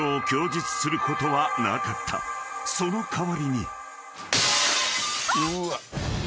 ［その代わりに］はっ！？